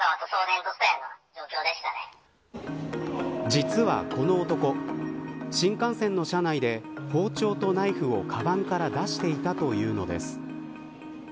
実はこの男新幹線の車内で包丁とナイフをかばんから出していたというのです。